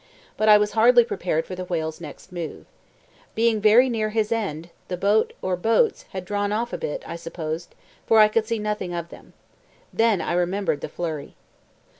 But I was hardly prepared for the whale's next move. Being very near his end, the boat, or boats, had drawn off a bit, I supposed, for I could see nothing of them. Then I remembered the flurry.